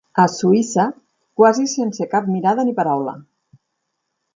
A Suïssa, quasi sense cap mirada ni paraula.